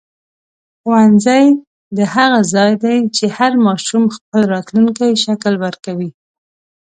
ښوونځی د هغه ځای دی چې هر ماشوم خپل راتلونکی شکل ورکوي.